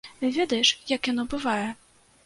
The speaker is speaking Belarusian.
Ведаеш, як яно бывае?